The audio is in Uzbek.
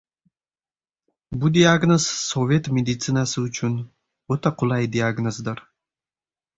Bu diagnoz sovet meditsinasi uchun... o‘ta qulay diagnozdir.